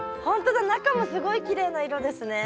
中もすごいきれいな色ですね。